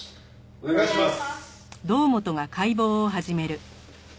お願いします。